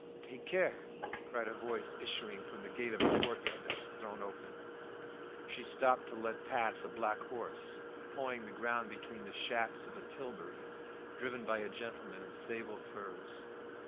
"Take care!" cried a voice issuing from the gate of a courtyard that was thrown open. She stopped to let pass a black horse, pawing the ground between the shafts of a tilbury, driven by a gentleman in sable furs.